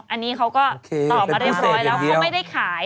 อันนี้เขาก็ต่อมาเรียบร้อยแล้วเขาไม่ได้ขาย